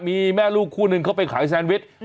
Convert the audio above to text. มีแม่ลูกคู่หนึ่งเขาไปขายแซนวิช